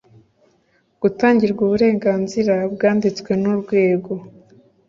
Gutangirwa uburenganzira bwanditswe n urwego